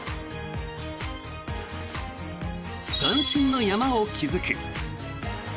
三振の山を築く。